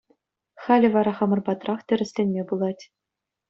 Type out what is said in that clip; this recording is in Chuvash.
Халӗ вара хамӑр патрах тӗрӗсленме пулать.